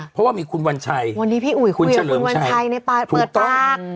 เพราะว่ามีคุณวัญชัยวันนี้พี่อุ๋ยคุยกับคุณวัญชัยในเปิดปาก